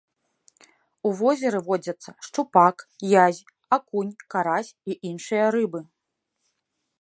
У возеры водзяцца шчупак, язь, акунь, карась і іншыя рыбы.